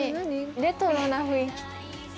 レトロな雰囲気。